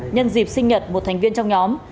nhân dịp sinh nhật một thành viên trong nhóm